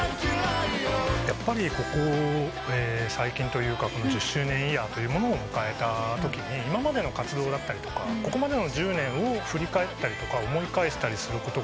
やっぱりここ最近というか１０周年イヤーというものを迎えたときに今までの活動だったりとかここまでの１０年を振り返ったり思い返したりすることがすごく増えて。